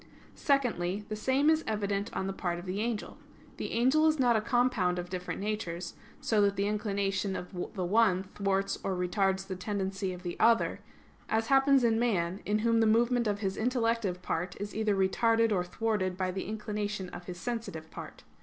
Secondly, the same is evident on the part of the angel. The angel is not a compound of different natures, so that the inclination of the one thwarts or retards the tendency of the other; as happens in man, in whom the movement of his intellective part is either retarded or thwarted by the inclination of his sensitive part.